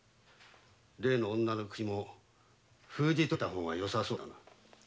例の女の口も封じておいた方がよさそうだな。